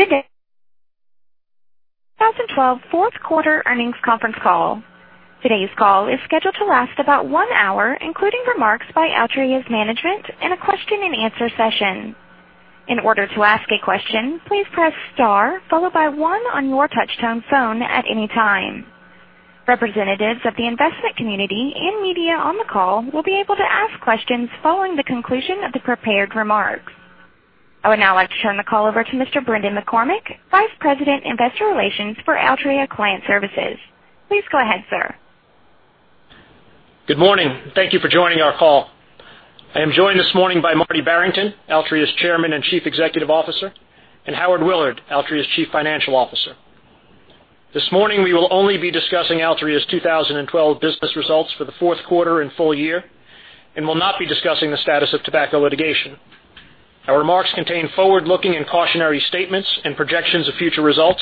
Good day. 2012 fourth quarter earnings conference call. Today's call is scheduled to last about one hour, including remarks by Altria's management and a question and answer session. In order to ask a question, please press star followed by one on your touch-tone phone at any time. Representatives of the investment community and media on the call will be able to ask questions following the conclusion of the prepared remarks. I would now like to turn the call over to Mr. Brendan McCormick, Vice President, Investor Relations for Altria Client Services. Please go ahead, sir. Good morning. Thank you for joining our call. I am joined this morning by Marty Barrington, Altria's Chairman and Chief Executive Officer, and Howard Willard, Altria's Chief Financial Officer. This morning, we will only be discussing Altria's 2012 business results for the fourth quarter and full year and will not be discussing the status of tobacco litigation. Our remarks contain forward-looking and cautionary statements and projections of future results.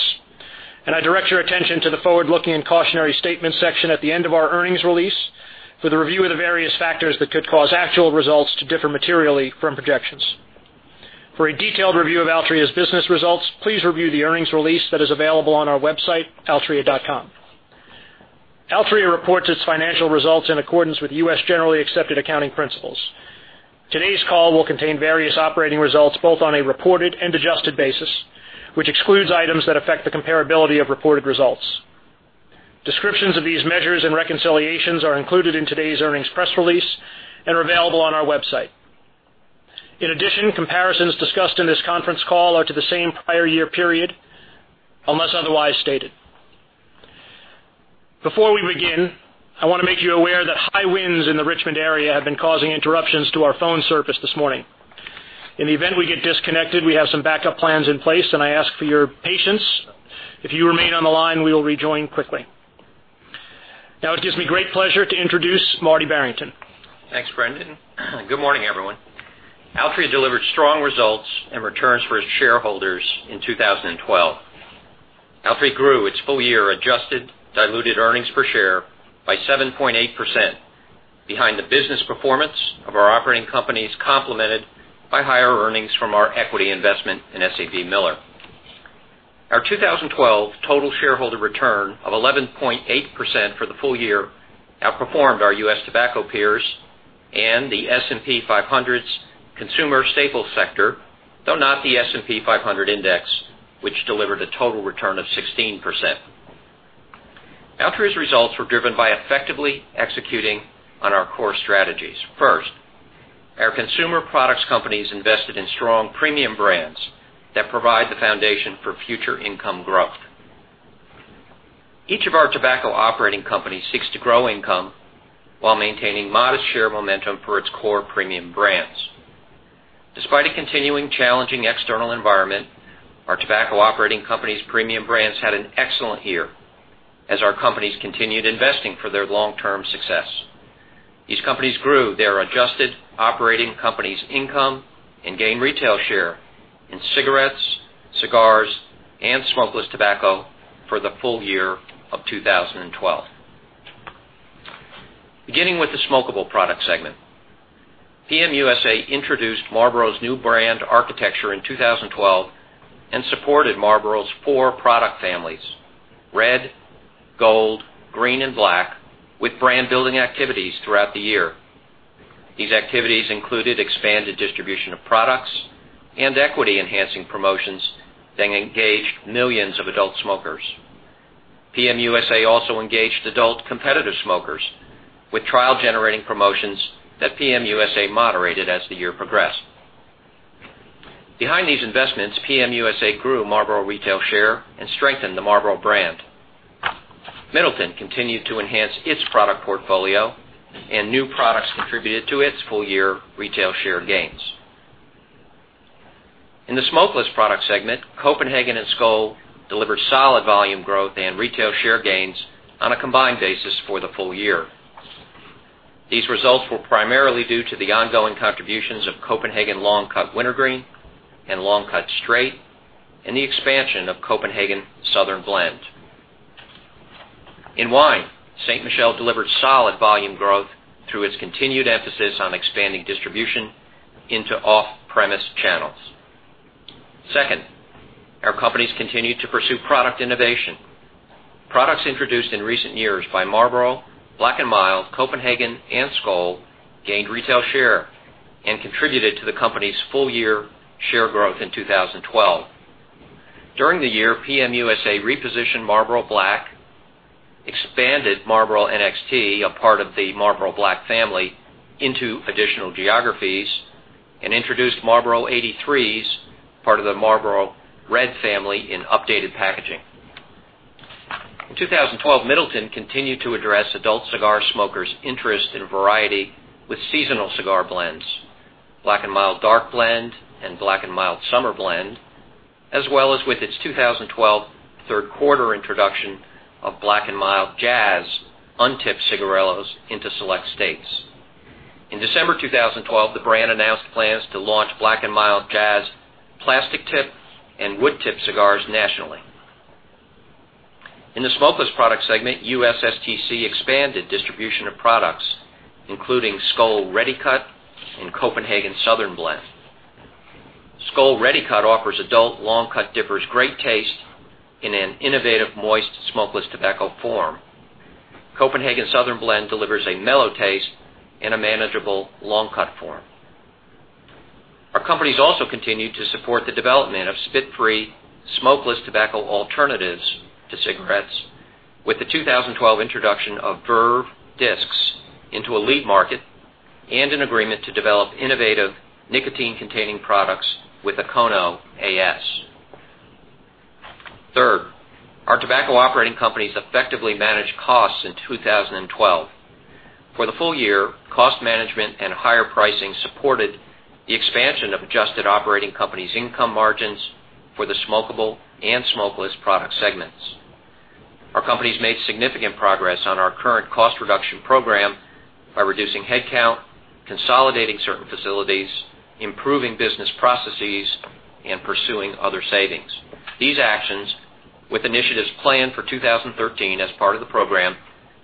I direct your attention to the forward-looking and cautionary statements section at the end of our earnings release for the review of the various factors that could cause actual results to differ materially from projections. For a detailed review of Altria's business results, please review the earnings release that is available on our website, altria.com. Altria reports its financial results in accordance with U.S. generally accepted accounting principles. Today's call will contain various operating results, both on a reported and adjusted basis, which excludes items that affect the comparability of reported results. Descriptions of these measures and reconciliations are included in today's earnings press release and are available on our website. In addition, comparisons discussed in this conference call are to the same prior year period, unless otherwise stated. Before we begin, I want to make you aware that high winds in the Richmond area have been causing interruptions to our phone service this morning. In the event we get disconnected, we have some backup plans in place, and I ask for your patience. If you remain on the line, we will rejoin quickly. Now it gives me great pleasure to introduce Marty Barrington. Thanks, Brendan. Good morning, everyone. Altria delivered strong results and returns for its shareholders in 2012. Altria grew its full-year adjusted diluted EPS by 7.8% behind the business performance of our operating companies, complemented by higher earnings from our equity investment in SABMiller. Our 2012 total shareholder return of 11.8% for the full year outperformed our U.S. tobacco peers and the S&P 500's consumer staples sector, though not the S&P 500 index, which delivered a total return of 16%. Altria's results were driven by effectively executing on our core strategies. First, our consumer products companies invested in strong premium brands that provide the foundation for future income growth. Each of our tobacco operating companies seeks to grow income while maintaining modest share momentum for its core premium brands. Despite a continuing challenging external environment, our tobacco operating companies' premium brands had an excellent year as our companies continued investing for their long-term success. These companies grew their adjusted operating companies income and gained retail share in cigarettes, cigars, and smokeless tobacco for the full year of 2012. Beginning with the smokable product segment. PM USA introduced Marlboro's new brand architecture in 2012 and supported Marlboro's four product families: Red, Gold, Green, and Black with brand-building activities throughout the year. These activities included expanded distribution of products and equity-enhancing promotions that engaged millions of adult smokers. PM USA also engaged adult competitive smokers with trial-generating promotions that PM USA moderated as the year progressed. Behind these investments, PM USA grew Marlboro retail share and strengthened the Marlboro brand. Middleton continued to enhance its product portfolio, and new products contributed to its full-year retail share gains. In the smokeless product segment, Copenhagen and Skoal delivered solid volume growth and retail share gains on a combined basis for the full year. These results were primarily due to the ongoing contributions of Copenhagen Long Cut Wintergreen and Copenhagen Long Cut Straight and the expansion of Copenhagen Southern Blend. In wine, Ste. Michelle delivered solid volume growth through its continued emphasis on expanding distribution into off-premise channels. Second, our companies continued to pursue product innovation. Products introduced in recent years by Marlboro, Black & Mild, Copenhagen, and Skoal gained retail share and contributed to the company's full-year share growth in 2012. During the year, PM USA repositioned Marlboro Black, expanded Marlboro NXT, a part of the Marlboro Black family, into additional geographies, and introduced Marlboro 83s, part of the Marlboro Red family, in updated packaging. In 2012, Middleton continued to address adult cigar smokers' interest in variety with seasonal cigar blends, Black & Mild Dark Blend and Black & Mild Summer Blend, as well as with its 2012 third quarter introduction of Black & Mild Jazz untipped cigarillos into select states. In December 2012, the brand announced plans to launch Black & Mild Jazz plastic tip and wood tip cigars nationally. In the smokeless product segment, USSTC expanded distribution of products, including Skoal ReadyCut and Copenhagen Southern Blend. Skoal ReadyCut offers adult long cut dippers great taste in an innovative, moist smokeless tobacco form. Copenhagen Southern Blend delivers a mellow taste in a manageable long cut form. Our companies also continued to support the development of spit-free smokeless tobacco alternatives to cigarettes with the 2012 introduction of Verve Discs into a lead market and an agreement to develop innovative nicotine-containing products with Fertin Pharma A/S. Third, our tobacco operating companies effectively managed costs in 2012. For the full year, cost management and higher pricing supported the expansion of adjusted operating companies' income margins for the smokable and smokeless product segments. Our companies made significant progress on our current cost reduction program by reducing headcount, consolidating certain facilities, improving business processes, and pursuing other savings. These actions, with initiatives planned for 2013 as part of the program,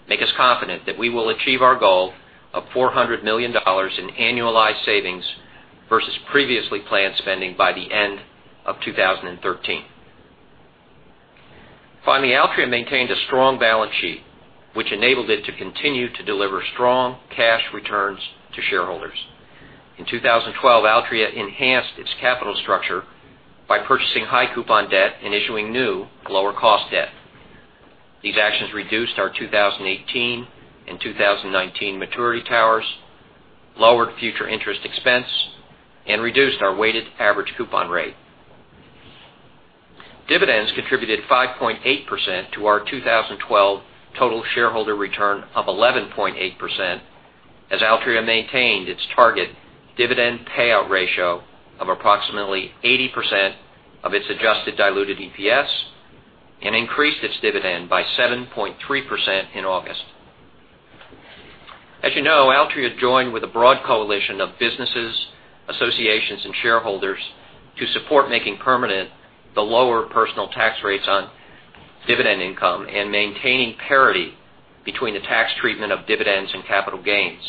make us confident that we will achieve our goal of $400 million in annualized savings versus previously planned spending by the end of 2013. Altria maintained a strong balance sheet, which enabled it to continue to deliver strong cash returns to shareholders. In 2012, Altria enhanced its capital structure by purchasing high coupon debt and issuing new, lower cost debt. These actions reduced our 2018 and 2019 maturity towers, lowered future interest expense, and reduced our weighted average coupon rate. Dividends contributed 5.8% to our 2012 total shareholder return of 11.8% as Altria maintained its target dividend payout ratio of approximately 80% of its adjusted diluted EPS and increased its dividend by 7.3% in August. As you know, Altria joined with a broad coalition of businesses, associations, and shareholders to support making permanent the lower personal tax rates on dividend income and maintaining parity between the tax treatment of dividends and capital gains.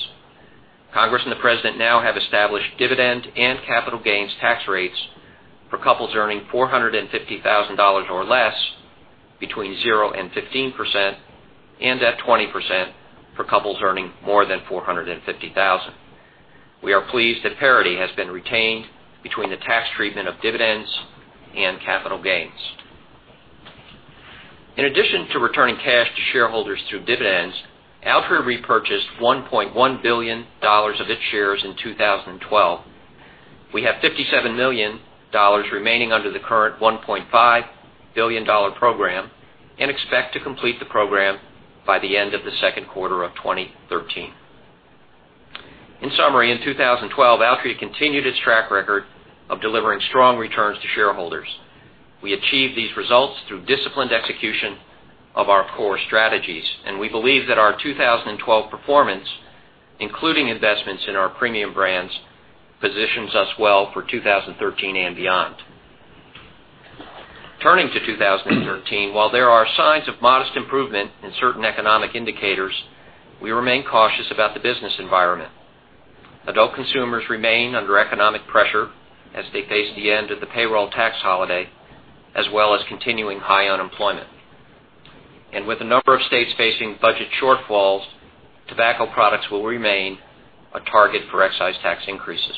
Congress and the President now have established dividend and capital gains tax rates for couples earning $450,000 or less between 0% and 15% and at 20% for couples earning more than $450,000. We are pleased that parity has been retained between the tax treatment of dividends and capital gains. In addition to returning cash to shareholders through dividends, Altria repurchased $1.1 billion of its shares in 2012. We have $57 million remaining under the current $1.5 billion program and expect to complete the program by the end of the second quarter of 2013. In summary, in 2012, Altria continued its track record of delivering strong returns to shareholders. We achieved these results through disciplined execution of our core strategies. We believe that our 2012 performance, including investments in our premium brands, positions us well for 2013 and beyond. Turning to 2013, while there are signs of modest improvement in certain economic indicators, we remain cautious about the business environment. Adult consumers remain under economic pressure as they face the end of the payroll tax holiday as well as continuing high unemployment. With a number of states facing budget shortfalls, tobacco products will remain a target for excise tax increases.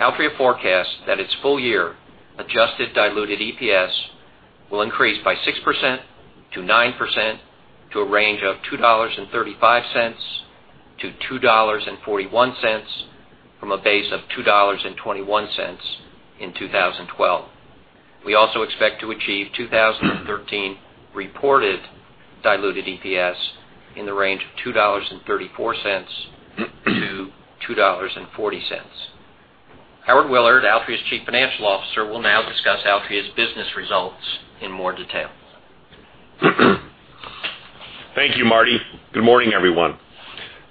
Altria forecasts that its full-year adjusted diluted EPS will increase by 6% to 9% to a range of $2.35-$2.41 from a base of $2.21 in 2012. We also expect to achieve 2013 reported diluted EPS in the range of $2.34-$2.40. Howard Willard, Altria's Chief Financial Officer, will now discuss Altria's business results in more detail. Thank you, Marty. Good morning, everyone.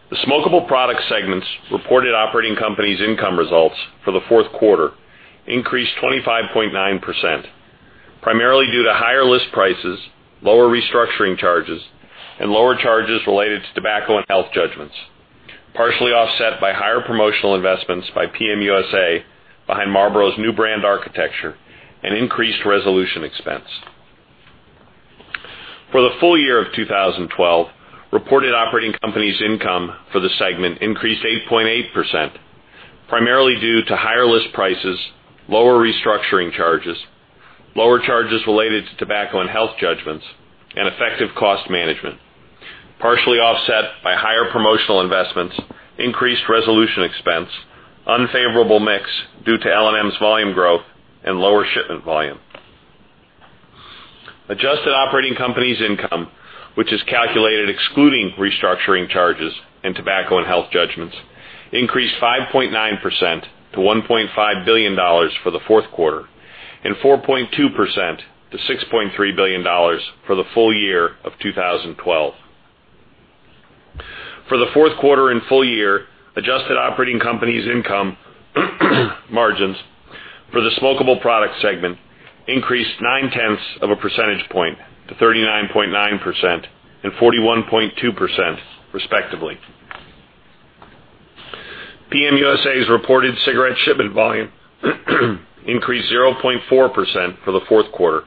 The smokable product segments reported operating companies' income results for the fourth quarter increased 25.9%, primarily due to higher list prices, lower restructuring charges, and lower charges related to tobacco and health judgments, partially offset by higher promotional investments by PM USA behind Marlboro's new brand architecture and increased resolution expense. For the full year of 2012, reported operating companies' income for the segment increased 8.8%, primarily due to higher list prices, lower restructuring charges, lower charges related to tobacco and health judgments, and effective cost management, partially offset by higher promotional investments, increased resolution expense, unfavorable mix due to L&M's volume growth, and lower shipment volume. Adjusted operating companies' income, which is calculated excluding restructuring charges and tobacco and health judgments, increased 5.9% to $1.5 billion for the fourth quarter and 4.2% to $6.3 billion for the full year of 2012. For the fourth quarter and full year, adjusted operating company's income margins for the smokable product segment increased 0.9 percentage points to 39.9% and 41.2% respectively. PM USA's reported cigarette shipment volume increased 0.4% for the fourth quarter,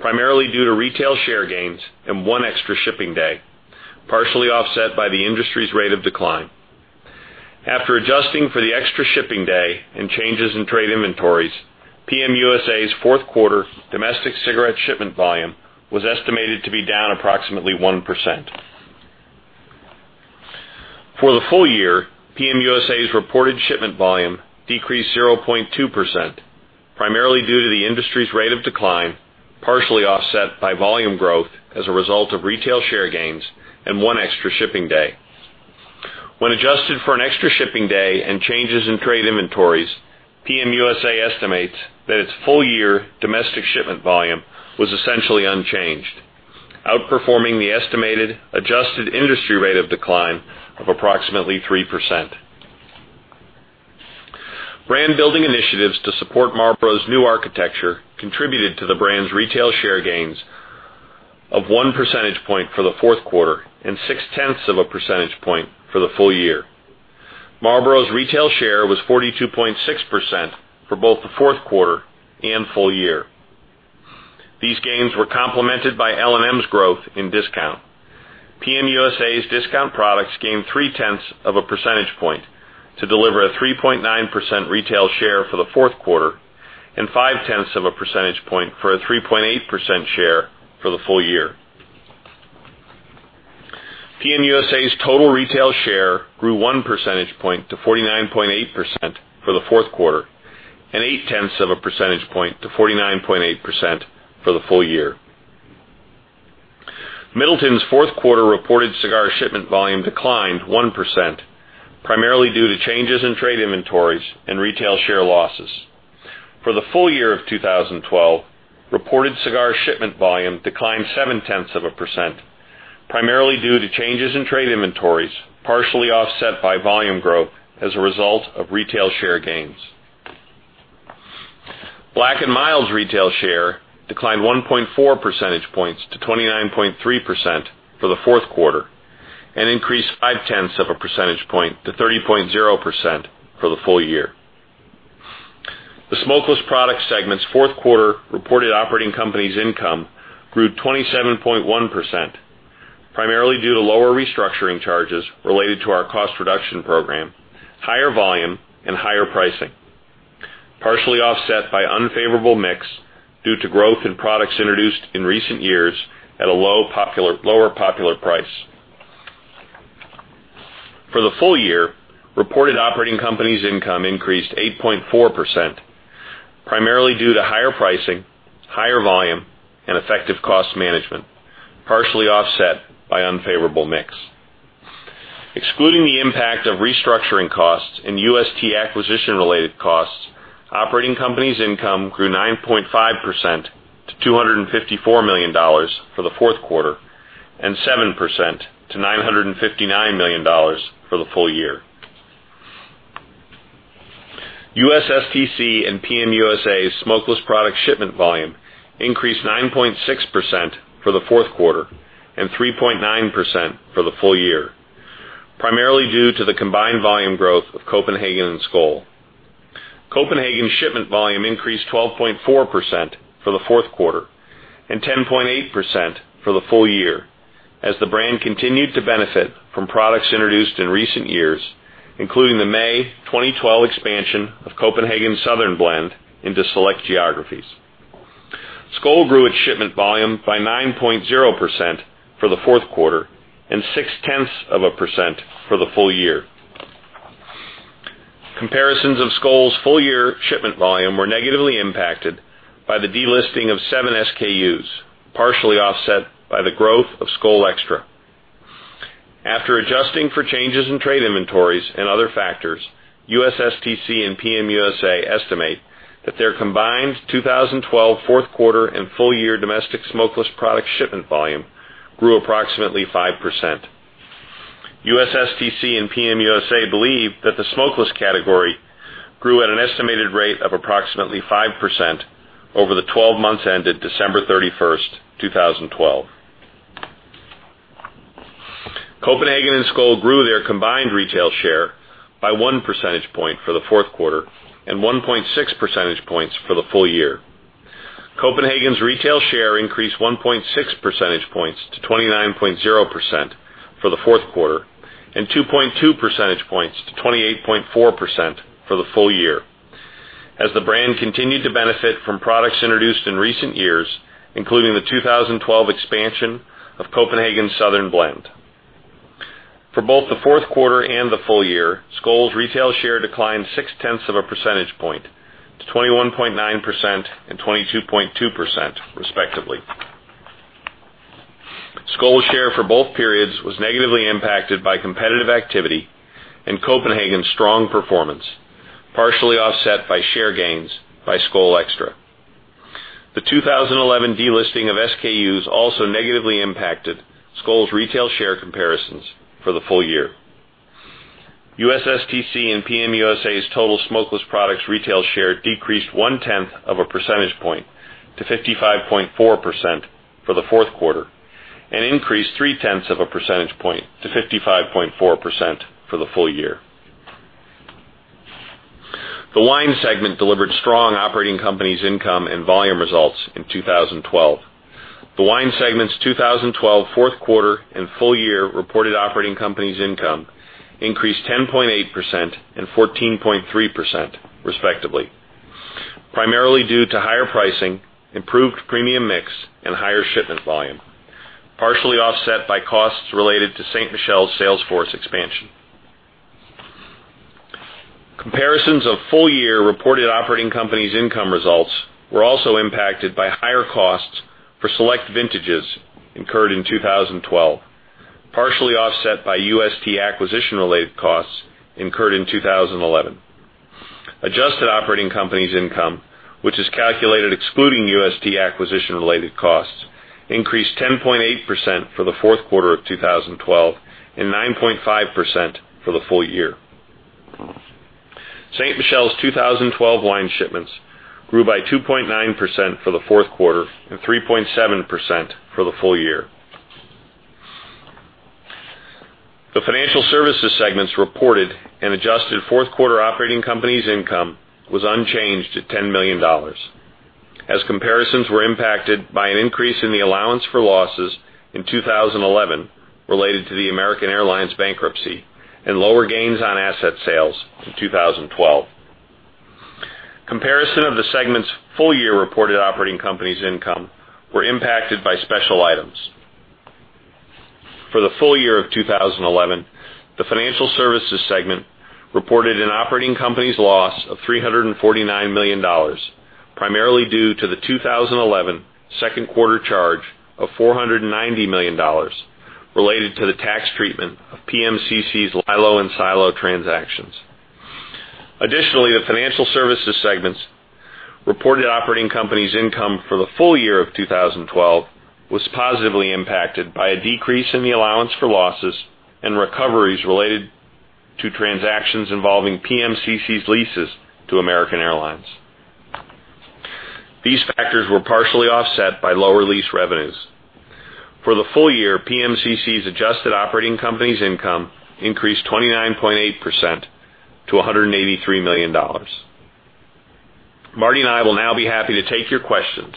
primarily due to retail share gains and one extra shipping day, partially offset by the industry's rate of decline. After adjusting for the extra shipping day and changes in trade inventories, PM USA's fourth quarter domestic cigarette shipment volume was estimated to be down approximately 1%. For the full year, PM USA's reported shipment volume decreased 0.2%, primarily due to the industry's rate of decline, partially offset by volume growth as a result of retail share gains and one extra shipping day. When adjusted for an extra shipping day and changes in trade inventories, PM USA estimates that its full-year domestic shipment volume was essentially unchanged, outperforming the estimated adjusted industry rate of decline of approximately 3%. Brand-building initiatives to support Marlboro's new architecture contributed to the brand's retail share gains of one percentage point for the fourth quarter and 0.6 percentage points for the full year. Marlboro's retail share was 42.6% for both the fourth quarter and full year. These gains were complemented by L&M's growth in discount. PM USA's discount products gained 0.3 percentage points to deliver a 3.9% retail share for the fourth quarter and 0.5 percentage points for a 3.8% share for the full year. PM USA's total retail share grew one percentage point to 49.8% for the fourth quarter and 0.8 percentage points to 49.8% for the full year. Middleton's fourth quarter reported cigar shipment volume declined 1%, primarily due to changes in trade inventories and retail share losses. For the full year of 2012, reported cigar shipment volume declined 0.7%, primarily due to changes in trade inventories, partially offset by volume growth as a result of retail share gains. Black & Mild's retail share declined 1.4 percentage points to 29.3% for the fourth quarter and increased 0.5 percentage points to 30.0% for the full year. The smokeless product segment's fourth quarter reported operating company's income grew 27.1%, primarily due to lower restructuring charges related to our cost reduction program, higher volume, and higher pricing, partially offset by unfavorable mix due to growth in products introduced in recent years at a lower popular price. For the full year, reported operating company's income increased 8.4%, primarily due to higher pricing, higher volume, and effective cost management, partially offset by unfavorable mix. Excluding the impact of restructuring costs and UST acquisition-related costs, operating company's income grew 9.5% to $254 million for the fourth quarter and 7% to $959 million for the full year. USSTC and PM USA's smokeless product shipment volume increased 9.6% for the fourth quarter and 3.9% for the full year, primarily due to the combined volume growth of Copenhagen and Skoal. Copenhagen shipment volume increased 12.4% for the fourth quarter and 10.8% for the full year as the brand continued to benefit from products introduced in recent years, including the May 2012 expansion of Copenhagen Southern Blend into select geographies. Skoal grew its shipment volume by 9.0% for the fourth quarter and 0.6% for the full year. Comparisons of Skoal's full-year shipment volume were negatively impacted by the delisting of 7 SKUs, partially offset by the growth of Skoal X-tra. After adjusting for changes in trade inventories and other factors, USSTC and PM USA estimate that their combined 2012 fourth quarter and full-year domestic smokeless product shipment volume grew approximately 5%. USSTC and PM USA believe that the smokeless category grew at an estimated rate of approximately 5% over the 12 months ended December 31st, 2012. Copenhagen and Skoal grew their combined retail share by one percentage point for the fourth quarter and 1.6 percentage points for the full year. Copenhagen's retail share increased 1.6 percentage points to 29.0% for the fourth quarter and 2.2 percentage points to 28.4% for the full year as the brand continued to benefit from products introduced in recent years, including the 2012 expansion of Copenhagen Southern Blend. For both the fourth quarter and the full year, Skoal's retail share declined six-tenths of a percentage point to 21.9% and 22.2% respectively. Skoal's share for both periods was negatively impacted by competitive activity and Copenhagen's strong performance, partially offset by share gains by Skoal X-tra. The 2011 delisting of SKUs also negatively impacted Skoal's retail share comparisons for the full year. USSTC and PM USA's total smokeless products retail share decreased one-tenth of a percentage point to 55.4% for the fourth quarter, and increased three-tenths of a percentage point to 55.4% for the full year. The wine segment delivered strong operating company's income and volume results in 2012. The wine segment's 2012 fourth quarter and full year reported operating company's income increased 10.8% and 14.3% respectively, primarily due to higher pricing, improved premium mix, and higher shipment volume, partially offset by costs related to Ste. Michelle's sales force expansion. Comparisons of full-year reported operating companies' income results were also impacted by higher costs for select vintages incurred in 2012, partially offset by UST acquisition-related costs incurred in 2011. Adjusted operating companies' income, which is calculated excluding UST acquisition-related costs, increased 10.8% for the fourth quarter of 2012 and 9.5% for the full year. Ste. Michelle's 2012 wine shipments grew by 2.9% for the fourth quarter and 3.7% for the full year. The financial services segments reported an adjusted fourth quarter operating company's income was unchanged at $10 million, as comparisons were impacted by an increase in the allowance for losses in 2011 related to the American Airlines bankruptcy and lower gains on asset sales in 2012. Comparison of the segment's full-year reported operating company's income were impacted by special items. For the full year of 2011, the financial services segment reported an operating company's loss of $349 million, primarily due to the 2011 second quarter charge of $490 million related to the tax treatment of PMCC's LILO and SILO transactions. Additionally, the financial services segment's reported operating company's income for the full year of 2012 was positively impacted by a decrease in the allowance for losses and recoveries related to transactions involving PMCC's leases to American Airlines. These factors were partially offset by lower lease revenues. For the full year, PMCC's adjusted operating company's income increased 29.8% to $183 million. Marty and I will now be happy to take your questions.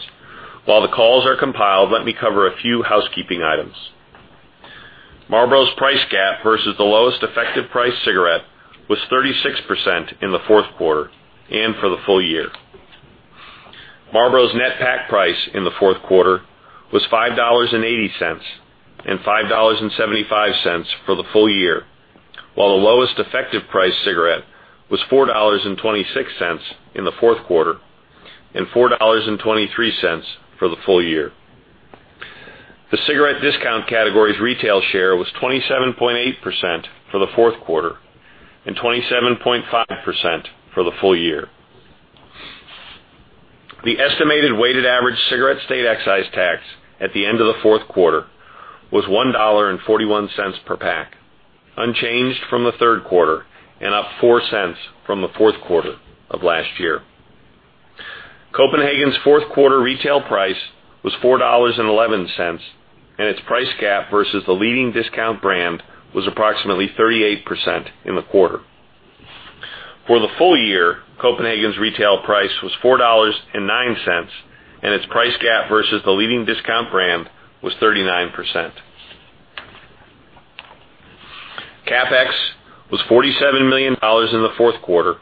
While the calls are compiled, let me cover a few housekeeping items. Marlboro's price gap versus the lowest effective price cigarette was 36% in the fourth quarter and for the full year. Marlboro's net pack price in the fourth quarter was $5.80 and $5.75 for the full year, while the lowest effective price cigarette was $4.26 in the fourth quarter and $4.23 for the full year. The cigarette discount category's retail share was 27.8% for the fourth quarter and 27.5% for the full year. The estimated weighted average cigarette state excise tax at the end of the fourth quarter was $1.41 per pack, unchanged from the third quarter and up $0.04 from the fourth quarter of last year. Copenhagen's fourth quarter retail price was $4.11, and its price gap versus the leading discount brand was approximately 38% in the quarter. For the full year, Copenhagen's retail price was $4.09, and its price gap versus the leading discount brand was 39%. CapEx was $47 million in the fourth quarter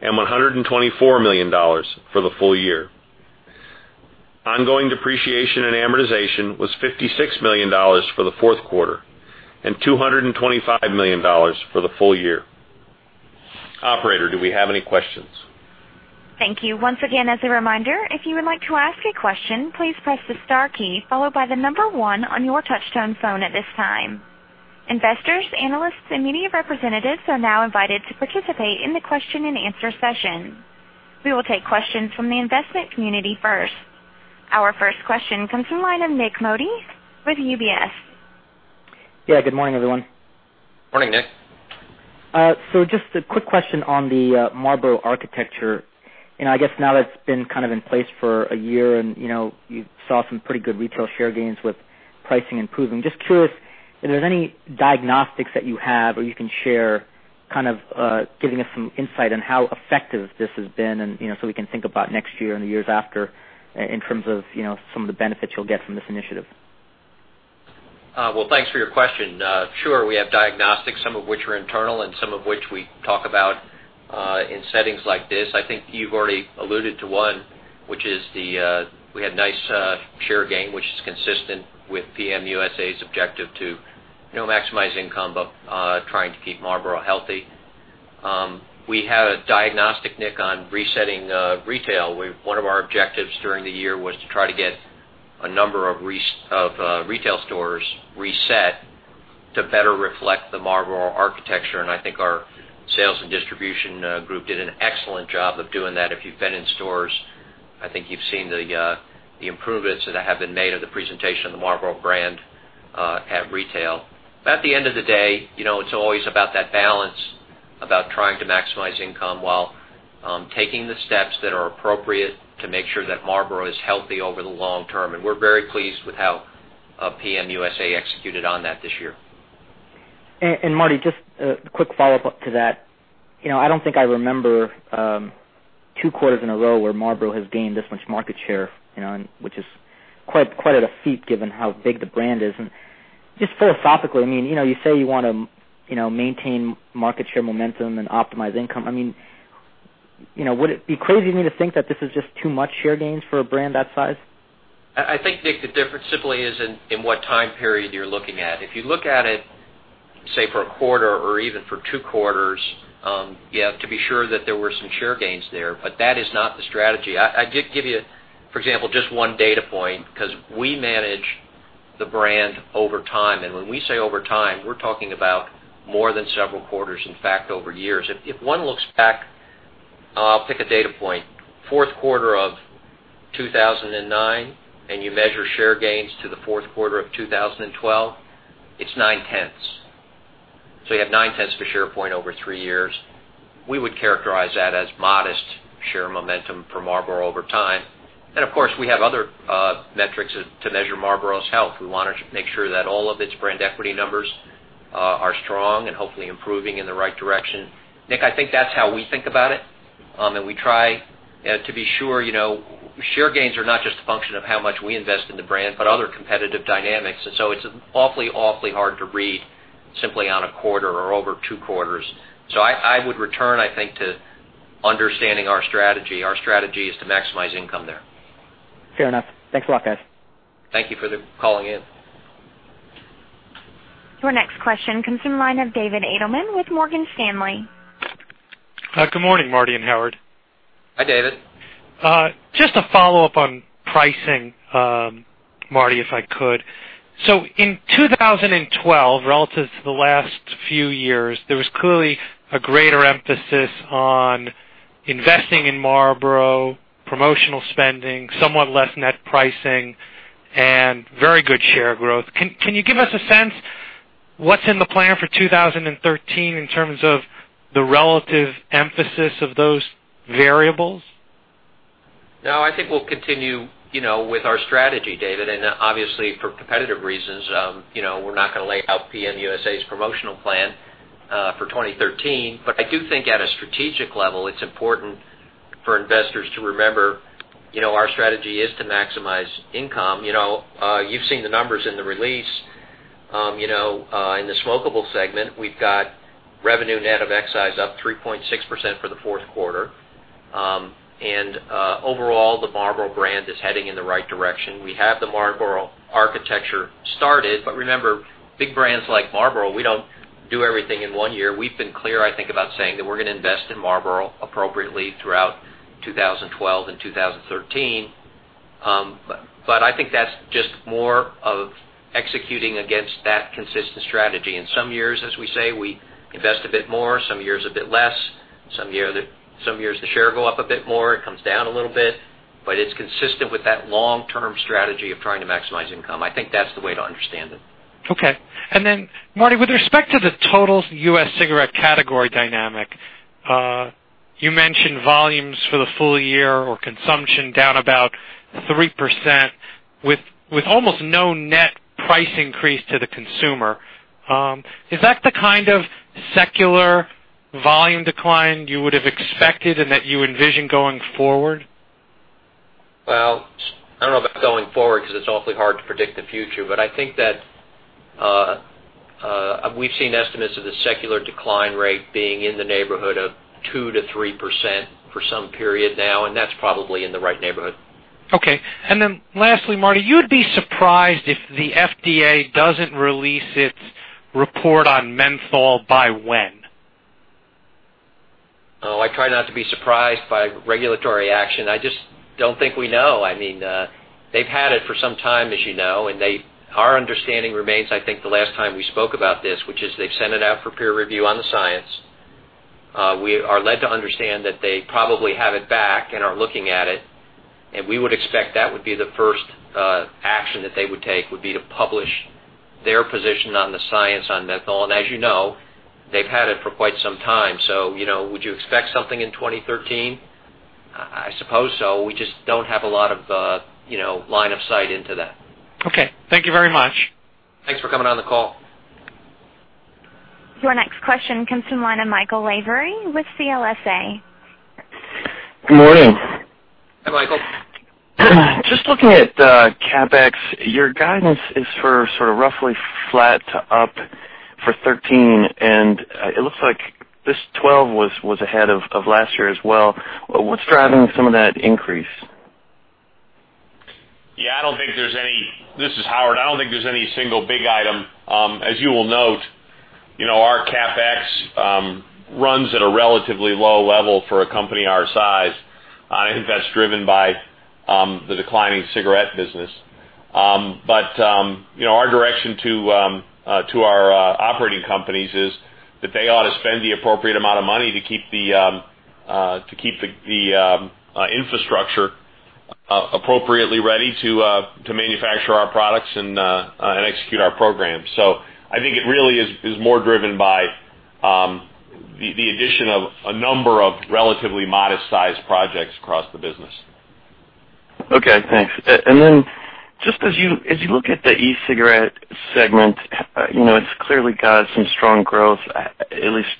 and $124 million for the full year. Ongoing depreciation and amortization was $56 million for the fourth quarter and $225 million for the full year. Operator, do we have any questions? Thank you. Once again, as a reminder, if you would like to ask a question, please press the star key followed by the number 1 on your touchtone phone at this time. Investors, analysts, and media representatives are now invited to participate in the question and answer session. We will take questions from the investment community first. Our first question comes from the line of Nik Modi with UBS. Yeah. Good morning, everyone. Morning, Nik. Just a quick question on the Marlboro architecture. I guess now that it's been kind of in place for a year and you saw some pretty good retail share gains with pricing improving, just curious if there's any diagnostics that you have or you can share, kind of giving us some insight on how effective this has been so we can think about next year and the years after in terms of some of the benefits you'll get from this initiative. Well, thanks for your question. Sure. We have diagnostics, some of which are internal and some of which we talk about in settings like this. I think you've already alluded to one, which is we had nice share gain, which is consistent with PM USA's objective to maximize income but trying to keep Marlboro healthy. We had a diagnostic, Nik, on resetting retail. One of our objectives during the year was to try to get a number of retail stores reset To better reflect the Marlboro architecture, I think our sales and distribution group did an excellent job of doing that. If you've been in stores, I think you've seen the improvements that have been made of the presentation of the Marlboro brand at retail. At the end of the day, it's always about that balance, about trying to maximize income while taking the steps that are appropriate to make sure that Marlboro is healthy over the long term. We're very pleased with how PM USA executed on that this year. Marty, just a quick follow-up to that. I don't think I remember two quarters in a row where Marlboro has gained this much market share, which is quite a feat given how big the brand is. Just philosophically, you say you want to maintain market share momentum and optimize income. Would it be crazy for me to think that this is just too much share gains for a brand that size? I think, Nik, the difference simply is in what time period you're looking at. If you look at it, say for a quarter or even for two quarters, you have to be sure that there were some share gains there. That is not the strategy. I did give you, for example, just one data point, because we manage the brand over time. When we say over time, we're talking about more than several quarters, in fact, over years. If one looks back, I'll pick a data point. Fourth quarter of 2009, and you measure share gains to the fourth quarter of 2012, it's nine-tenths. You have nine-tenths of a share point over three years. We would characterize that as modest share momentum for Marlboro over time. Of course, we have other metrics to measure Marlboro's health. We want to make sure that all of its brand equity numbers are strong and hopefully improving in the right direction. Nik, I think that's how we think about it. We try to be sure share gains are not just a function of how much we invest in the brand, but other competitive dynamics. It's awfully hard to read simply on a quarter or over two quarters. I would return, I think, to understanding our strategy. Our strategy is to maximize income there. Fair enough. Thanks a lot, guys. Thank you for calling in. Your next question comes from the line of David Adelman with Morgan Stanley. Good morning, Marty and Howard. Hi, David. Just a follow-up on pricing, Marty, if I could. In 2012, relative to the last few years, there was clearly a greater emphasis on investing in Marlboro, promotional spending, somewhat less net pricing, and very good share growth. Can you give us a sense what's in the plan for 2013 in terms of the relative emphasis of those variables? No, I think we'll continue with our strategy, David, and obviously for competitive reasons, we're not going to lay out PM USA's promotional plan for 2013. I do think at a strategic level, it's important for investors to remember, our strategy is to maximize income. You've seen the numbers in the release. In the smokeable segment, we've got revenue net of excise up 3.6% for the fourth quarter. Overall, the Marlboro brand is heading in the right direction. We have the Marlboro architecture started, but remember, big brands like Marlboro, we don't do everything in one year. We've been clear, I think, about saying that we're going to invest in Marlboro appropriately throughout 2012 and 2013. I think that's just more of executing against that consistent strategy. In some years, as we say, we invest a bit more, some years a bit less. Some years the share go up a bit more, it comes down a little bit. It's consistent with that long-term strategy of trying to maximize income. I think that's the way to understand it. Okay. Marty, with respect to the total U.S. cigarette category dynamic, you mentioned volumes for the full year or consumption down about 3% with almost no net price increase to the consumer. Is that the kind of secular volume decline you would have expected and that you envision going forward? I don't know about going forward because it's awfully hard to predict the future. I think that we've seen estimates of the secular decline rate being in the neighborhood of 2% to 3% for some period now, and that's probably in the right neighborhood. Okay. Lastly, Marty, you would be surprised if the FDA doesn't release its report on menthol by when? I try not to be surprised by regulatory action. I just don't think we know. They've had it for some time, as you know, and our understanding remains, I think, the last time we spoke about this, which is they've sent it out for peer review on the science. We are led to understand that they probably have it back and are looking at it, and we would expect that would be the first action that they would take, would be to publish their position on the science on menthol. As you know, they've had it for quite some time. Would you expect something in 2013? I suppose so. We just don't have a lot of line of sight into that. Okay. Thank you very much. Thanks for coming on the call. Your next question comes from the line of Michael Lavery with CLSA. Good morning. Hi, Michael. Just looking at CapEx, your guidance is for sort of roughly flat to up for 2013, and it looks like this 2012 was ahead of last year as well. What's driving some of that increase? Yeah, this is Howard. I don't think there's any single big item. As you will note Our CapEx runs at a relatively low level for a company our size. I think that's driven by the declining cigarette business. Our direction to our operating companies is that they ought to spend the appropriate amount of money to keep the infrastructure appropriately ready to manufacture our products and execute our program. I think it really is more driven by the addition of a number of relatively modest-sized projects across the business. Okay. Thanks. Just as you look at the e-cigarette segment, it's clearly got some strong growth, at least,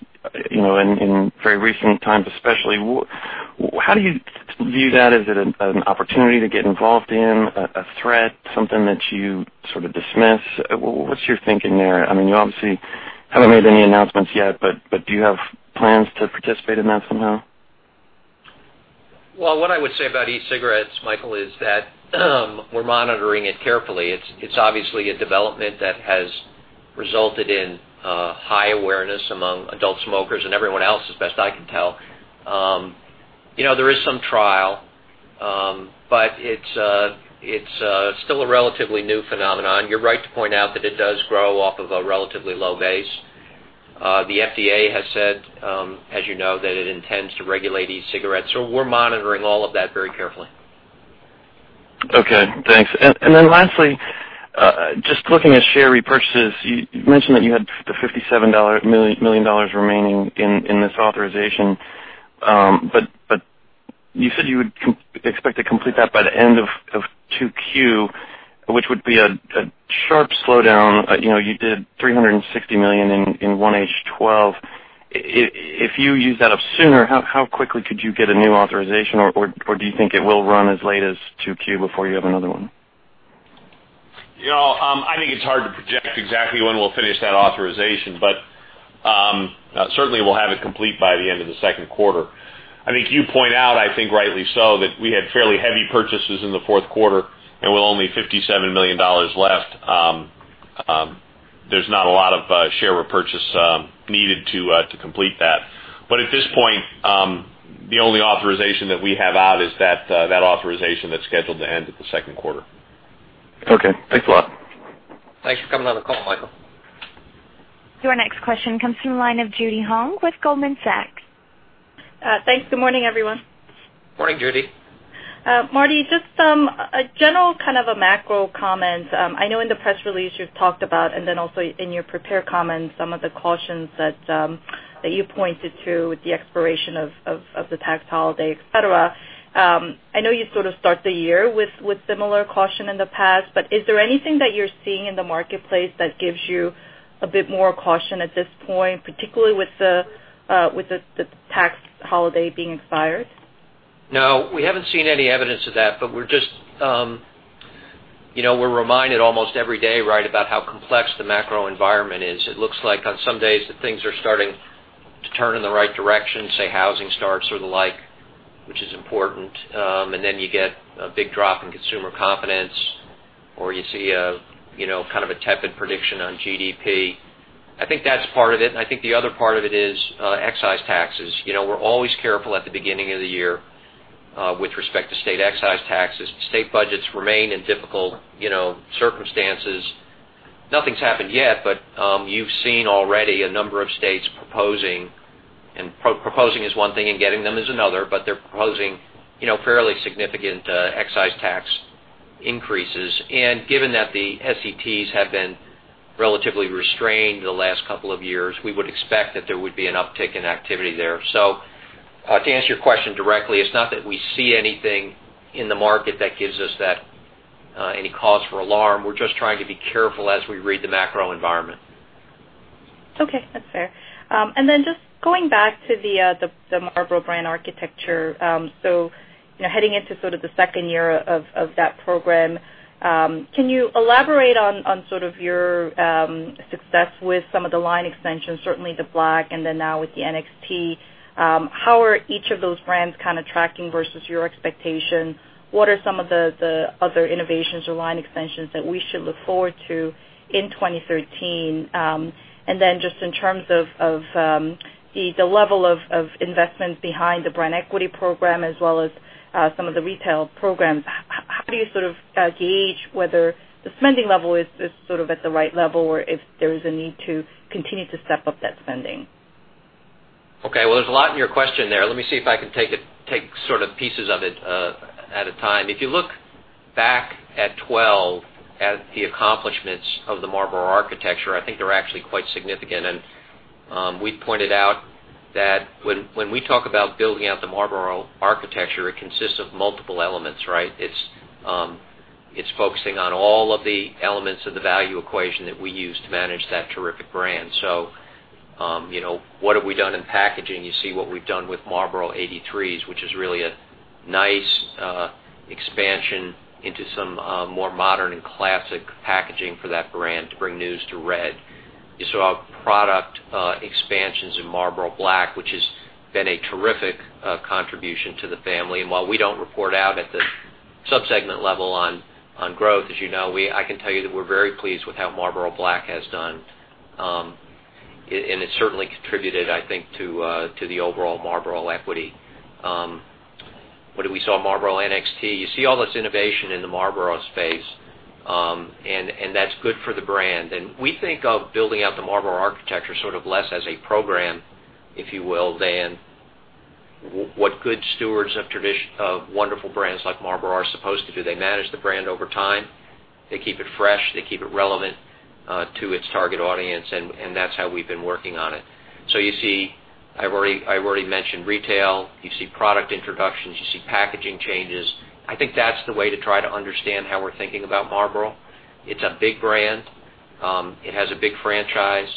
in very recent times, especially. How do you view that? Is it an opportunity to get involved in, a threat, something that you sort of dismiss? What's your thinking there? You obviously haven't made any announcements yet, but do you have plans to participate in that somehow? Well, what I would say about e-cigarettes, Michael, is that we're monitoring it carefully. It's obviously a development that has resulted in high awareness among adult smokers and everyone else, as best I can tell. There is some trial, but it's still a relatively new phenomenon. You're right to point out that it does grow off of a relatively low base. The FDA has said, as you know, that it intends to regulate e-cigarettes. We're monitoring all of that very carefully. Okay, thanks. Lastly, just looking at share repurchases, you mentioned that you had the $57 million remaining in this authorization. You said you would expect to complete that by the end of 2Q, which would be a sharp slowdown. You did $360 million in 1H 2012. If you use that up sooner, how quickly could you get a new authorization, or do you think it will run as late as 2Q before you have another one? I think it's hard to project exactly when we'll finish that authorization. Certainly we'll have it complete by the end of the second quarter. I think you point out, I think rightly so, that we had fairly heavy purchases in the fourth quarter and with only $57 million left, there's not a lot of share repurchase needed to complete that. At this point, the only authorization that we have out is that authorization that's scheduled to end at the second quarter. Okay. Thanks a lot. Thanks for coming on the call, Michael. Your next question comes from the line of Judy Hong with Goldman Sachs. Thanks. Good morning, everyone. Morning, Judy. Marty, just some general macro comments. I know in the press release you've talked about, also in your prepared comments, some of the cautions that you pointed to with the expiration of the tax holiday, et cetera. I know you sort of start the year with similar caution in the past, is there anything that you're seeing in the marketplace that gives you a bit more caution at this point, particularly with the tax holiday being expired? No, we haven't seen any evidence of that. We're reminded almost every day about how complex the macro environment is. It looks like on some days that things are starting to turn in the right direction, say, housing starts or the like, which is important. You get a big drop in consumer confidence, you see a tepid prediction on GDP. I think that's part of it, I think the other part of it is excise taxes. We're always careful at the beginning of the year with respect to state excise taxes. State budgets remain in difficult circumstances. Nothing's happened yet, you've seen already a number of states proposing is one thing and getting them is another, they're proposing fairly significant excise tax increases. Given that the SETs have been relatively restrained the last couple of years, we would expect that there would be an uptick in activity there. To answer your question directly, it's not that we see anything in the market that gives us any cause for alarm. We're just trying to be careful as we read the macro environment. Okay. That's fair. Just going back to the Marlboro brand architecture. Heading into the second year of that program, can you elaborate on your success with some of the line extensions, certainly the Black and now with the NXT. How are each of those brands tracking versus your expectation? What are some of the other innovations or line extensions that we should look forward to in 2013? Just in terms of the level of investment behind the brand equity program as well as some of the retail programs, how do you gauge whether the spending level is at the right level or if there is a need to continue to step up that spending? Well, there's a lot in your question there. Let me see if I can take pieces of it at a time. If you look back at 2012 at the accomplishments of the Marlboro architecture, I think they're actually quite significant. We've pointed out that when we talk about building out the Marlboro architecture, it consists of multiple elements. It's focusing on all of the elements of the value equation that we use to manage that terrific brand. What have we done in packaging? You see what we've done with Marlboro 83s, which is really a nice expansion into some more modern and classic packaging for that brand to bring news to Red. You saw product expansions in Marlboro Black, which has been a terrific contribution to the family. While we don't report out at the Sub-segment level on growth. As you know, I can tell you that we're very pleased with how Marlboro Black has done. It certainly contributed, I think, to the overall Marlboro equity. What did we saw? Marlboro NXT. You see all this innovation in the Marlboro space, that's good for the brand. We think of building out the Marlboro architecture sort of less as a program, if you will, than what good stewards of wonderful brands like Marlboro are supposed to do. They manage the brand over time. They keep it fresh. They keep it relevant to its target audience, that's how we've been working on it. You see, I've already mentioned retail. You see product introductions. You see packaging changes. I think that's the way to try to understand how we're thinking about Marlboro. It's a big brand. It has a big franchise.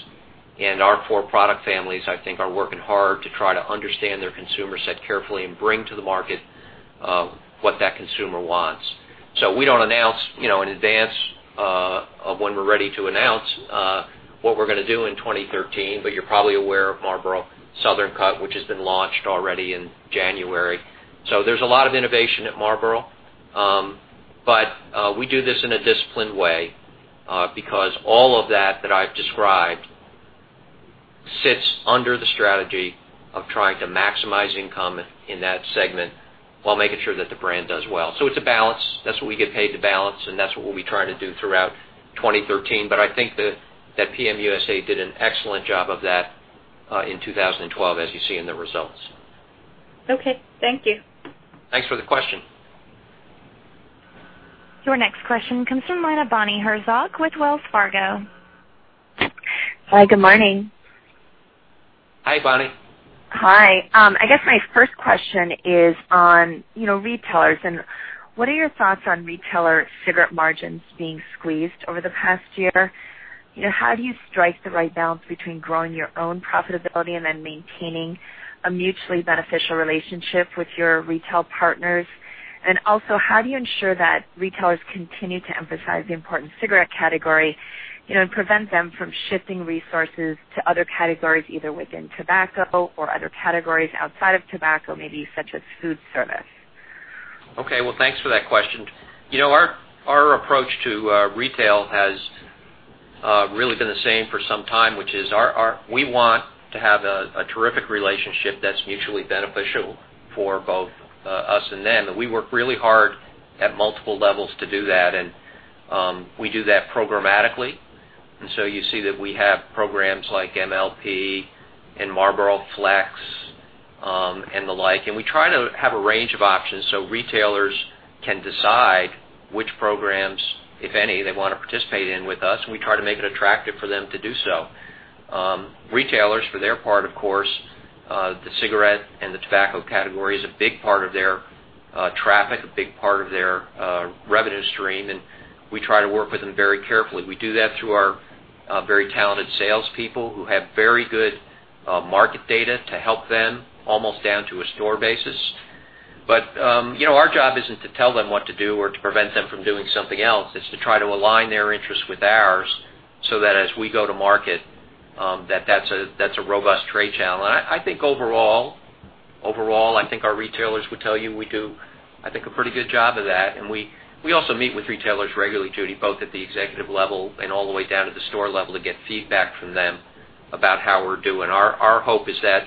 Our four product families, I think, are working hard to try to understand their consumer set carefully and bring to the market what that consumer wants. We don't announce in advance of when we're ready to announce what we're going to do in 2013. You're probably aware of Marlboro Southern Cut, which has been launched already in January. There's a lot of innovation at Marlboro. We do this in a disciplined way because all of that that I've described sits under the strategy of trying to maximize income in that segment while making sure that the brand does well. It's a balance. That's what we get paid to balance, that's what we'll be trying to do throughout 2013. I think that PM USA did an excellent job of that in 2012, as you see in the results. Okay. Thank you. Thanks for the question. Your next question comes from the line of Bonnie Herzog with Wells Fargo. Hi, good morning. Hi, Bonnie. Hi. I guess my first question is on retailers, what are your thoughts on retailer cigarette margins being squeezed over the past year? How do you strike the right balance between growing your own profitability and then maintaining a mutually beneficial relationship with your retail partners? How do you ensure that retailers continue to emphasize the important cigarette category and prevent them from shifting resources to other categories, either within tobacco or other categories outside of tobacco, maybe such as food service? Okay. Well, thanks for that question. Our approach to retail has really been the same for some time, which is we want to have a terrific relationship that's mutually beneficial for both us and them. We work really hard at multiple levels to do that, and we do that programmatically. You see that we have programs like MLP and Marlboro Flex and the like. We try to have a range of options so retailers can decide which programs, if any, they want to participate in with us, and we try to make it attractive for them to do so. Retailers, for their part, of course, the cigarette and the tobacco category is a big part of their traffic, a big part of their revenue stream, and we try to work with them very carefully. We do that through our very talented salespeople who have very good market data to help them almost down to a store basis. Our job isn't to tell them what to do or to prevent them from doing something else. It's to try to align their interests with ours so that as we go to market, that's a robust trade channel. I think overall, I think our retailers would tell you we do, I think, a pretty good job of that. We also meet with retailers regularly, Judy, both at the executive level and all the way down to the store level to get feedback from them about how we're doing. Our hope is that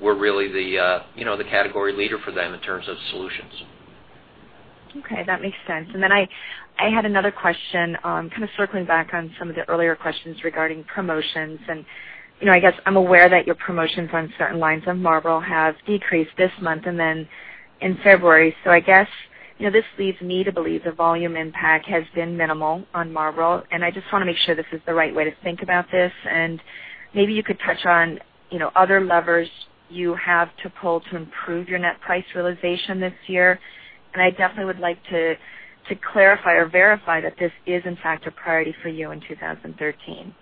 we're really the category leader for them in terms of solutions. Okay, that makes sense. I had another question, kind of circling back on some of the earlier questions regarding promotions. I guess I'm aware that your promotions on certain lines of Marlboro have decreased this month and then in February. I guess this leads me to believe the volume impact has been minimal on Marlboro, I just want to make sure this is the right way to think about this. Maybe you could touch on other levers you have to pull to improve your net price realization this year. I definitely would like to clarify or verify that this is, in fact, a priority for you in 2013.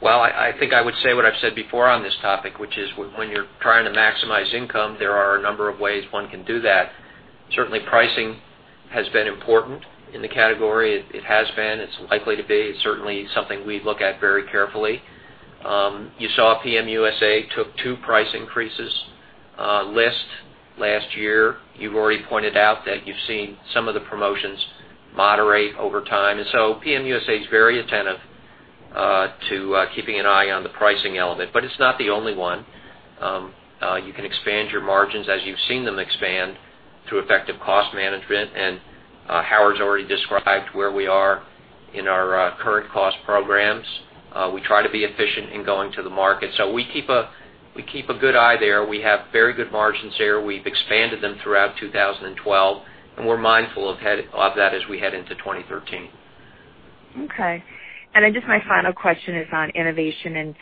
Well, I think I would say what I've said before on this topic, which is when you're trying to maximize income, there are a number of ways one can do that. Certainly, pricing has been important in the category. It has been. It's likely to be. It's certainly something we look at very carefully. You saw PM USA took 2 price increases list last year. You've already pointed out that you've seen some of the promotions moderate over time. PM USA is very attentive to keeping an eye on the pricing element, but it's not the only one. You can expand your margins as you've seen them expand through effective cost management, and Howard's already described where we are in our current cost programs. We try to be efficient in going to the market. We keep a good eye there. We have very good margins there. We've expanded them throughout 2012, we're mindful of that as we head into 2013. Okay. Just my final question is on innovation and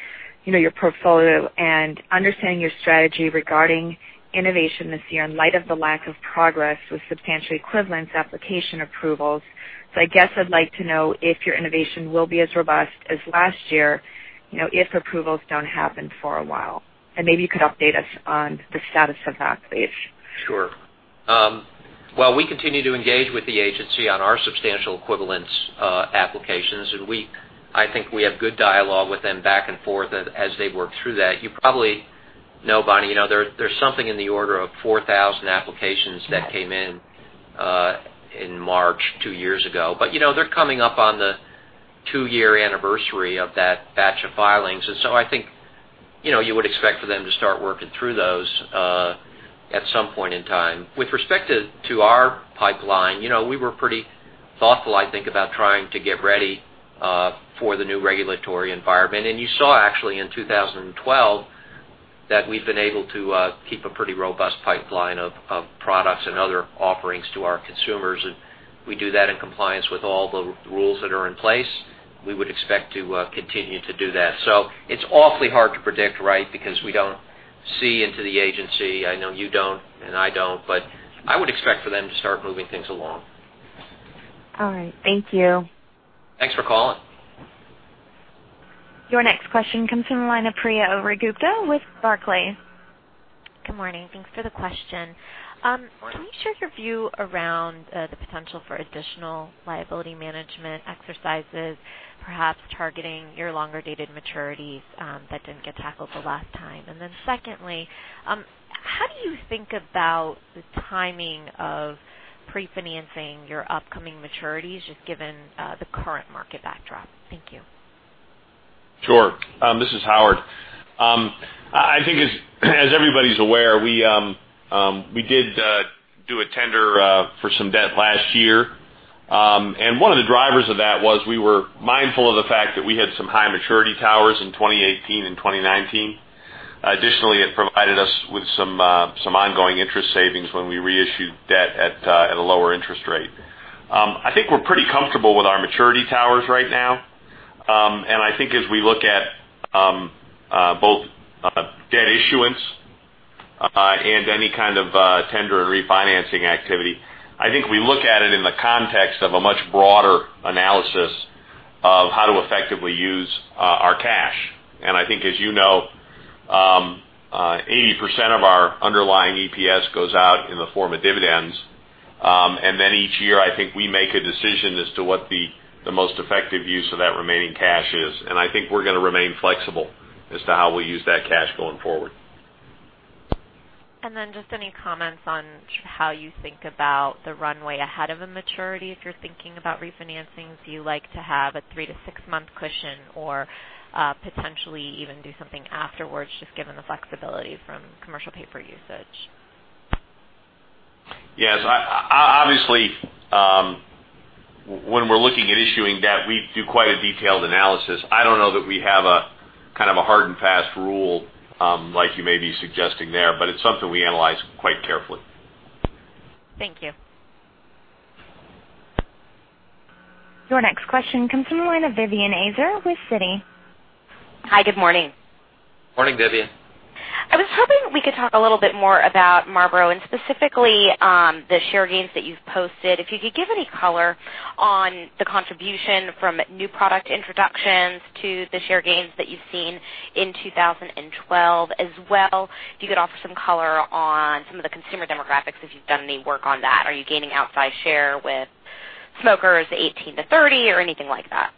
your portfolio and understanding your strategy regarding innovation this year in light of the lack of progress with substantial equivalence application approvals. I guess I'd like to know if your innovation will be as robust as last year, if approvals don't happen for a while. Maybe you could update us on the status of that, please. Sure. Well, we continue to engage with the agency on our substantial equivalence applications, I think we have good dialogue with them back and forth as they work through that. You probably No, Bonnie. There's something in the order of 4,000 applications that came in March 2 years ago. They're coming up on the 2-year anniversary of that batch of filings. I think, you would expect for them to start working through those at some point in time. With respect to our pipeline, we were pretty thoughtful, I think, about trying to get ready for the new regulatory environment. You saw actually in 2012 that we've been able to keep a pretty robust pipeline of products and other offerings to our consumers. We do that in compliance with all the rules that are in place. We would expect to continue to do that. It's awfully hard to predict, right? We don't see into the agency. I know you don't, and I don't, but I would expect for them to start moving things along. All right. Thank you. Thanks for calling. Your next question comes from the line of Priya Oruganti with Barclays. Good morning. Thanks for the question. Morning. Can you share your view around the potential for additional liability management exercises, perhaps targeting your longer-dated maturities that didn't get tackled the last time? Secondly, how do you think about the timing of pre-financing your upcoming maturities, just given the current market backdrop? Thank you. Sure. This is Howard. I think as everybody's aware, we did do a tender for some debt last year. One of the drivers of that was we were mindful of the fact that we had some high maturity towers in 2018 and 2019. Additionally, it provided us with some ongoing interest savings when we reissued debt at a lower interest rate. I think we're pretty comfortable with our maturity towers right now. I think as we look at both debt issuance, and any kind of tender and refinancing activity, I think we look at it in the context of a much broader analysis of how to effectively use our cash. I think, as you know 80% of our underlying EPS goes out in the form of dividends. Each year, I think we make a decision as to what the most effective use of that remaining cash is. I think we're going to remain flexible as to how we use that cash going forward. Just any comments on how you think about the runway ahead of a maturity, if you're thinking about refinancing. Do you like to have a 3-6 month cushion or potentially even do something afterwards, just given the flexibility from commercial paper usage? Yes. Obviously, when we're looking at issuing debt, we do quite a detailed analysis. I don't know that we have a kind of hard and fast rule, like you may be suggesting there, but it's something we analyze quite carefully. Thank you. Your next question comes from the line of Vivien Azer with Citi. Hi, good morning. Morning, Vivien. I was hoping we could talk a little bit more about Marlboro, specifically the share gains that you've posted. If you could give any color on the contribution from new product introductions to the share gains that you've seen in 2012. As well, if you could offer some color on some of the consumer demographics, if you've done any work on that. Are you gaining outsized share with smokers 18 to 30 or anything like that?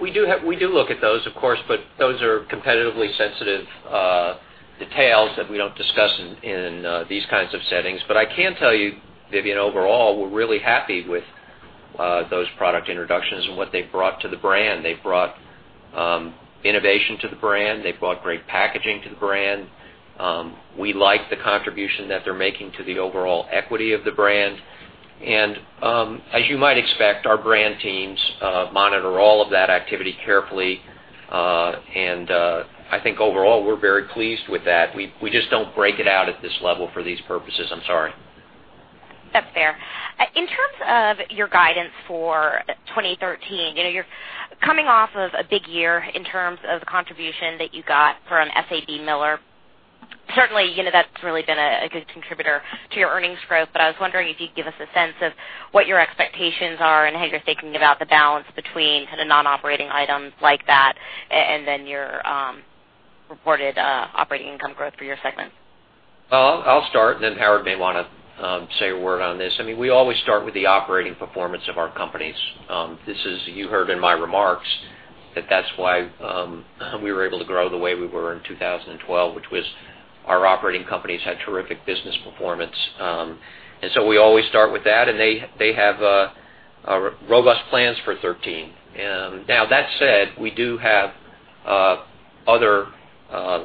We do look at those, of course, those are competitively sensitive details that we don't discuss in these kinds of settings. I can tell you, Vivien, overall, we're really happy with those product introductions and what they've brought to the brand. They've brought innovation to the brand. They've brought great packaging to the brand. We like the contribution that they're making to the overall equity of the brand. As you might expect, our brand teams monitor all of that activity carefully. I think overall, we're very pleased with that. We just don't break it out at this level for these purposes. I'm sorry. That's fair. In terms of your guidance for 2013, you're coming off of a big year in terms of the contribution that you got from SABMiller. Certainly, that's really been a good contributor to your earnings growth. I was wondering if you'd give us a sense of what your expectations are and how you're thinking about the balance between kind of non-operating items like that, and then your reported operating income growth for your segment. I'll start. Howard may want to say a word on this. We always start with the operating performance of our companies. You heard in my remarks that that's why we were able to grow the way we were in 2012, which was our operating companies had terrific business performance. We always start with that, and they have robust plans for 2013. Now that said, we do have other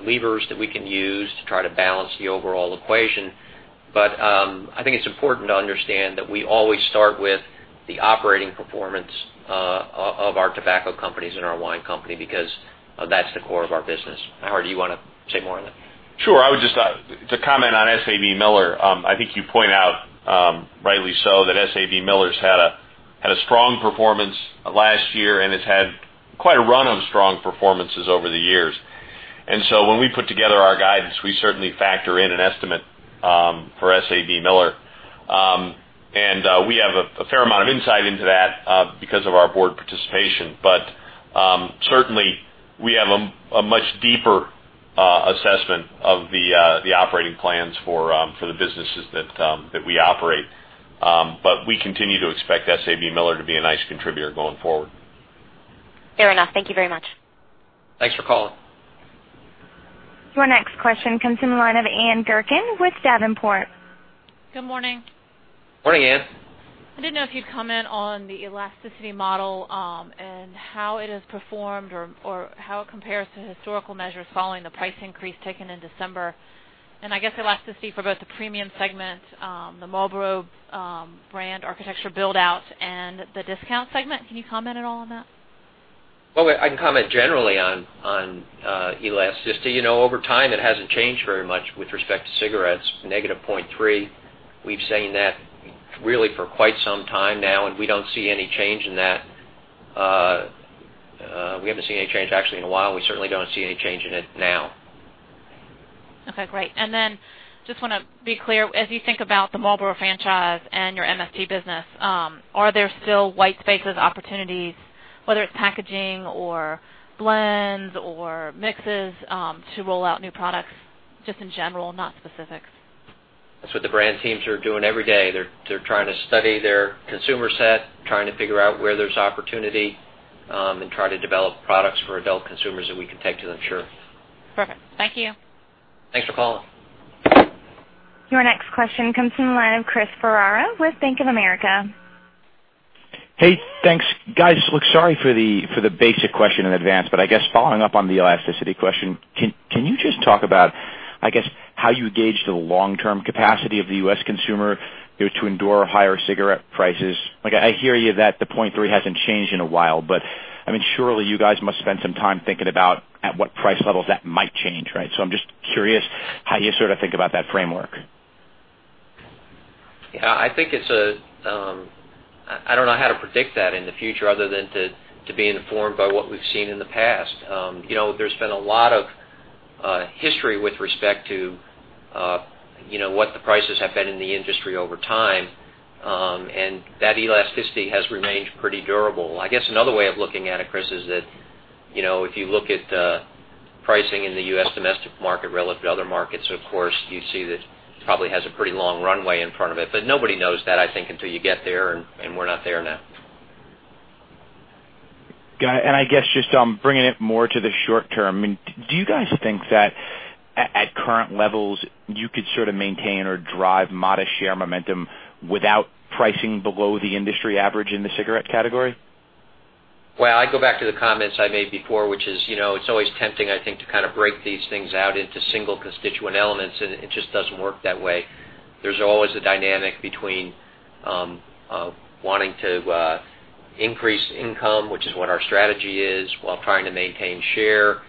levers that we can use to try to balance the overall equation. I think it's important to understand that we always start with the operating performance of our tobacco companies and our wine company, because that's the core of our business. Howard, do you want to say more on that? Sure. I would just to comment on SABMiller. I think you point out rightly so that SABMiller's had a strong performance last year, and it's had quite a run of strong performances over the years. When we put together our guidance, we certainly factor in an estimate for SABMiller. We have a fair amount of insight into that because of our board participation. Certainly, we have a much deeper assessment of the operating plans for the businesses that we operate We continue to expect SABMiller to be a nice contributor going forward. Fair enough. Thank you very much. Thanks for calling. Your next question comes from the line of Ann Gurkin with Davenport & Company. Good morning. Morning, Ann. I didn't know if you'd comment on the elasticity model, and how it has performed or how it compares to historical measures following the price increase taken in December. I guess elasticity for both the premium segment, the Marlboro brand architecture build-out, and the discount segment. Can you comment at all on that? Well, I can comment generally on elasticity. Over time, it hasn't changed very much with respect to cigarettes, negative 0.3. We've seen that really for quite some time now. We don't see any change in that. We haven't seen any change actually in a while. We certainly don't see any change in it now. Okay, great. Then just want to be clear, as you think about the Marlboro franchise and your MST business, are there still white spaces opportunities, whether it's packaging or blends or mixes, to roll out new products just in general, not specifics? That's what the brand teams are doing every day. They're trying to study their consumer set, trying to figure out where there's opportunity, and trying to develop products for adult consumers that we can take to them, sure. Perfect. Thank you. Thanks for calling. Your next question comes from the line of Chris Ferrara with Bank of America. Hey, thanks. Guys, look, sorry for the basic question in advance. I guess following up on the elasticity question, can you just talk about, I guess, how you gauge the long-term capacity of the U.S. consumer to endure higher cigarette prices? I hear you that the 0.3 hasn't changed in a while. Surely you guys must spend some time thinking about at what price levels that might change. Right? I'm just curious how you sort of think about that framework. Yeah. I don't know how to predict that in the future other than to be informed by what we've seen in the past. There's been a lot of history with respect to what the prices have been in the industry over time. That elasticity has remained pretty durable. I guess another way of looking at it, Chris, is that if you look at the pricing in the U.S. domestic market relative to other markets, of course, you'd see that it probably has a pretty long runway in front of it. Nobody knows that, I think, until you get there, and we're not there now. Got it. I guess just bringing it more to the short term, do you guys think that at current levels you could sort of maintain or drive modest share momentum without pricing below the industry average in the cigarette category? Well, I go back to the comments I made before, which is it's always tempting, I think, to kind of break these things out into single constituent elements. It just doesn't work that way. There's always a dynamic between wanting to increase income, which is what our strategy is, while trying to maintain share.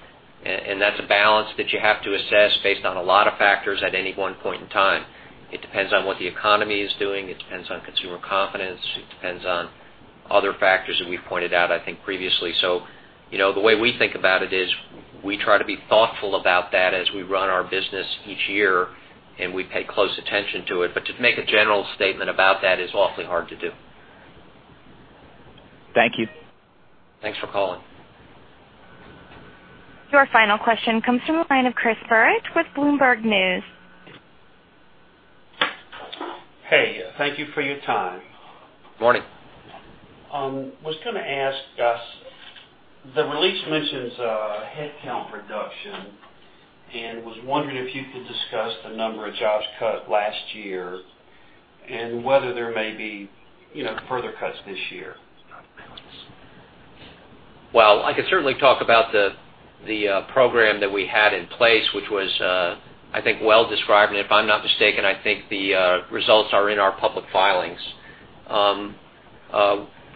That's a balance that you have to assess based on a lot of factors at any one point in time. It depends on what the economy is doing. It depends on consumer confidence. It depends on other factors that we've pointed out, I think, previously. The way we think about it is we try to be thoughtful about that as we run our business each year. We pay close attention to it. To make a general statement about that is awfully hard to do. Thank you. Thanks for calling. Your final question comes from the line of Chris Burritt with Bloomberg News. Hey, thank you for your time. Morning. I was going to ask, guys, the release mentions a headcount reduction, and was wondering if you could discuss the number of jobs cut last year and whether there may be further cuts this year. Well, I can certainly talk about the program that we had in place, which was I think, well-described. If I'm not mistaken, I think the results are in our public filings.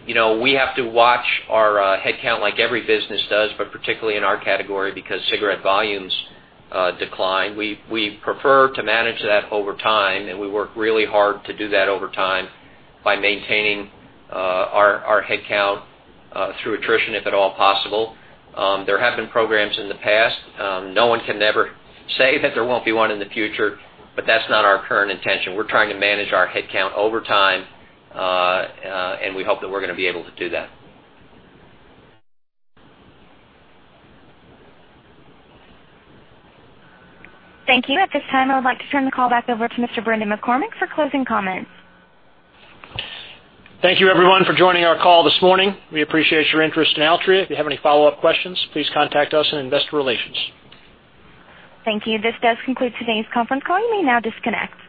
We have to watch our headcount like every business does, but particularly in our category because cigarette volumes decline. We prefer to manage that over time, and we work really hard to do that over time by maintaining our headcount through attrition, if at all possible. There have been programs in the past. No one can ever say that there won't be one in the future, but that's not our current intention. We're trying to manage our headcount over time, and we hope that we're going to be able to do that. Thank you. At this time, I would like to turn the call back over to Mr. Brendan McCormick for closing comments. Thank you everyone for joining our call this morning. We appreciate your interest in Altria. If you have any follow-up questions, please contact us in Investor Relations. Thank you. This does conclude today's conference call. You may now disconnect.